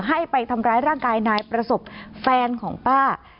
ให้ไปทำร้ายร่างกายนายประสบแฟนของป้า